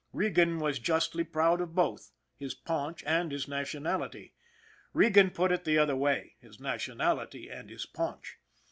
Regan was justly proud of both his paunch and his nationality. Regan put it the other way his nation ality and his paunch.